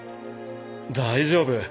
大丈夫。